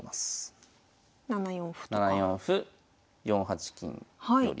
７四歩４八金寄。